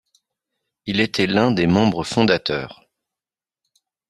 Il était l'un des membres fondateurs.